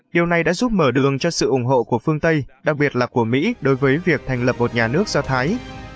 điều này đã giúp mở đường cho sự ủng hộ của phương tây đặc biệt là của mỹ đối với việc thành lập một nhà nước do thái